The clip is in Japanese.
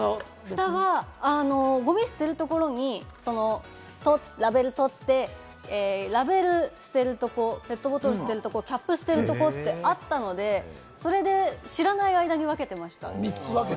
蓋はごみしてるところにラベルを取って、ラベル捨てるところ、ペットボトル捨てるところ、キャップ捨てるところってあったので、それで知らない間に分けてました。